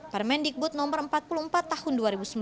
para mendikbud nomor empat puluh empat tahun dua ribu sembilan belas